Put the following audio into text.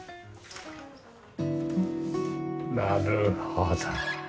なるほど。